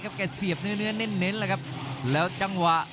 รับทราบบรรดาศักดิ์